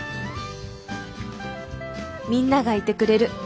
みんながいてくれる。